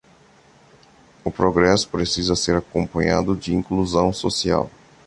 O progresso precisa ser acompanhado de inclusão social